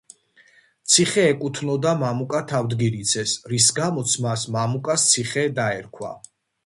ციხე ეკუთვნოდა მამუკა თავდგირიძეს, რის გამოც მას მამუკას ციხე დაერქვა.